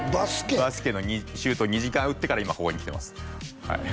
バスケのシュート２時間打ってから今ここに来てます